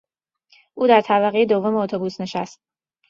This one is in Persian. او در طبقهی دوم اتوبوس نشست.